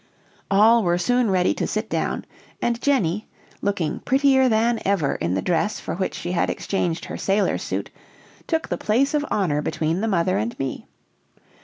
All were soon ready to sit down; and Jenny, looking prettier than ever in the dress for which she had exchanged her sailor's suit, took the place of honor between the mother and me.